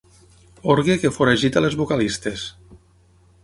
Orgue que foragita les vocalistes.